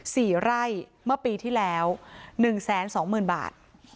สี่ไร่เมื่อปีที่แล้วหนึ่งแสนสองหมื่นบาท